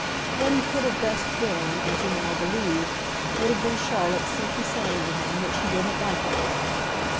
What he could have best borne, as he now believed, would have been Charlotte's simply saying to him that she didn't like him enough.